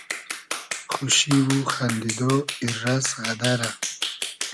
خوشی و خئندیدۉ , ایررئس غئدئرۂ